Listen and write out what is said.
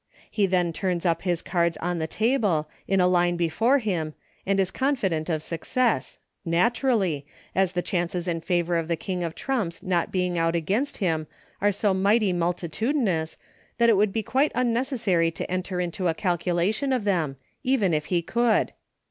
He then turns up his cards on the table, in a line before him, and is confident of success — naturally, as the chances in favor of the King of trumps not being out against him are so mighty mul titudinous that it would be quite unnecessary to enter into a calculation of them — even if he could.